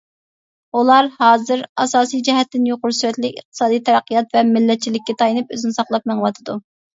ئۇلار ھازىر ئاساسىي جەھەتتىن يۇقىرى سۈرئەتلىك ئىقتىسادىي تەرەققىيات ۋە مىللەتچىلىككە تايىنىپ ئۆزىنى ساقلاپ مېڭىۋاتىدۇ.